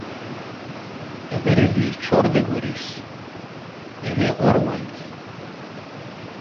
Abrid yeččuṛ d agris, ihi ɣuṛwemt.